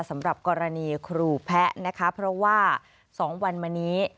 สำหรับกรณีครูแพะนะคะเพราะว่า๒วันมานี้